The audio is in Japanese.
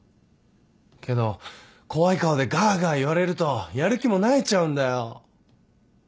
けど怖い顔でがあがあ言われるとやる気もなえちゃうんだよ。